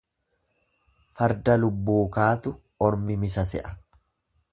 Farda lubbuu kaatu, ormi misa se'a.